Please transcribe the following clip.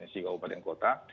sikap upadeng kota